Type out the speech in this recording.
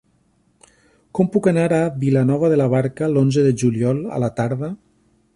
Com puc anar a Vilanova de la Barca l'onze de juliol a la tarda?